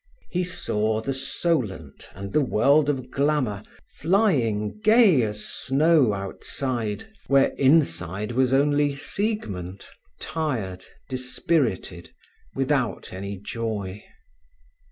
He saw the Solent and the world of glamour flying gay as snow outside, where inside was only Siegmund, tired, dispirited, without any joy.